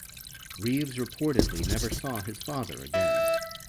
Reeves reportedly never saw his father again.